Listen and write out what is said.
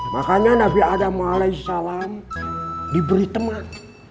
makanya nabi adam as diberi teman